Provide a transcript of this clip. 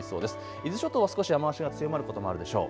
伊豆諸島は少し雨足が強まることもあるでしょう。